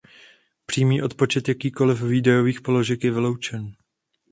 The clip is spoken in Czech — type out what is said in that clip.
Přímý odpočet jakýchkoli výdajových položek je vyloučen.